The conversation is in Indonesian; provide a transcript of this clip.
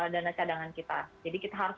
dana cadangan kita jadi kita harus